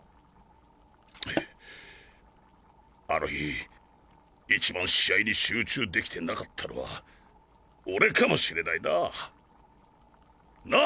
あの日一番試合に集中できてなかったのは俺かもしれないな。なぁ